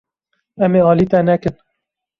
Em ê alî te nekin.